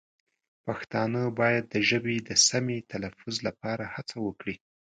پښتانه باید د ژبې د سمې تلفظ لپاره هڅه وکړي.